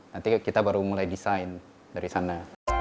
nanti kita baru mulai desain dari sana